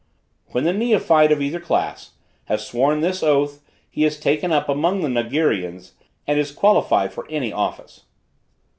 When the neophyte, of either class, has sworn this oath, he is taken up among the Nagirians, and is qualified for any office.